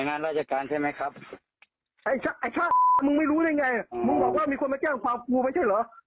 มึงบอกชื่อมึงกับชื่อร้อยเวียนมา